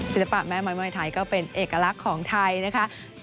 ศิลปะแม่ไม้มวยไทยก็เป็นเอกลักษณ์ของไทยนะคะ